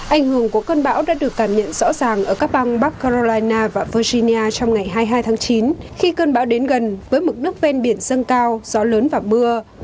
anh hưởng của cơn bão đã được cảm nhận rõ ràng ở các bang bắc carolina và virginia trong ngày hai mươi hai tháng chín khi cơn bão đến gần với mực nước ven biển dâng cao gió lớn và mưa